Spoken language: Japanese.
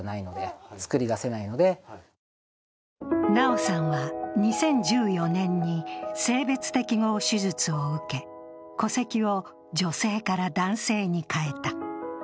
尚雄さんは２０１４年に性別適合手術を受け戸籍を女性から男性に変えた。